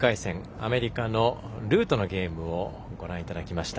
アメリカのルーとのゲームをご覧いただきました。